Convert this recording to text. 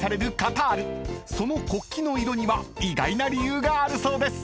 ［その国旗の色には意外な理由があるそうです］